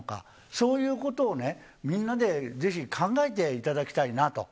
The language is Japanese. そういうことをみんなでぜひ考えていただきたいなと。